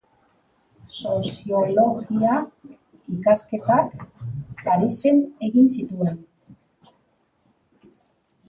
Soziologia ikasketak Parisen egin zituen.